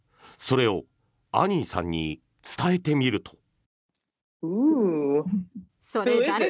それをアニーさんに伝えてみると。